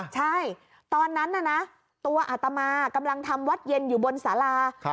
ใช่ตอนนั้นน่ะนะตัวอาตมากำลังทำวัดเย็นอยู่บนสารา